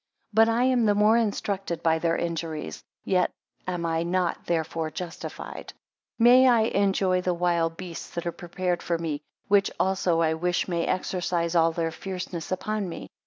9 But I am the more instructed by their injuries; yet am I not therefore justified. 10 May I enjoy the wild beasts that are prepared for me; which also I wish may exercise all their fierceness upon me.